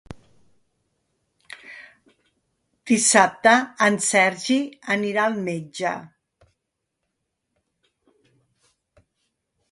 Dissabte en Sergi anirà al metge.